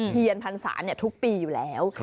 เทียนพันศาเนี่ยทุกปีอยู่แล้ว